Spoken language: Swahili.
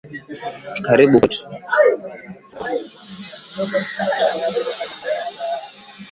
Karibu Kwetu